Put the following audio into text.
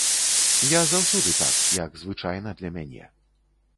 Я заўсёды так, як звычайна для мяне.